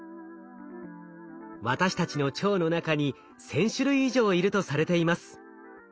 私たちの腸の中に１，０００種類以上いるとされています。